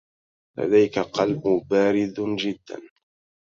لديك قلب بارد جدّا.